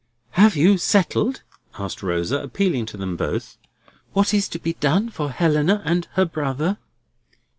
"Have you settled," asked Rosa, appealing to them both, "what is to be done for Helena and her brother?"